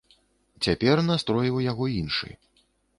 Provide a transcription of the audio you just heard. Цяпер настрой у яго іншы.